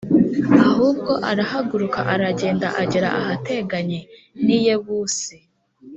ahubwo arahaguruka aragenda agera ahateganye n i yebusi